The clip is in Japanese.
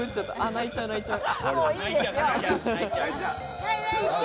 泣いちゃう泣いちゃう。